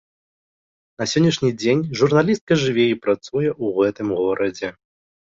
На сённяшні дзень журналістка жыве і працуе ў гэтым горадзе.